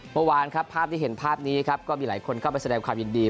เมื่อวานครับภาพที่เห็นภาพนี้ครับก็มีหลายคนเข้าไปแสดงความยินดี